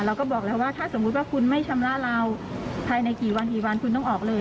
เราก็บอกแล้วว่าถ้าสมมุติว่าคุณไม่ชำระเราภายในกี่วันกี่วันคุณต้องออกเลย